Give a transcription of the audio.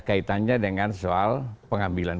kaitannya dengan soal pengambilan